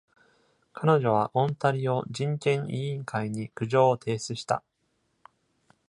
彼女はオンタリオ人権委員会に苦情を提出した。